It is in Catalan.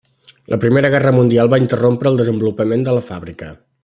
La Primera Guerra Mundial va interrompre el desenvolupament de la fàbrica.